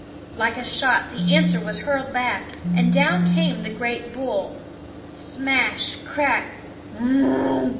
Like a shot the answer was hurled back, and down came the great bull smash, crack, r r runh